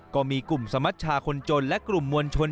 ก็มีกลุ่มสมัชชาคนจนและกลุ่มมวลชน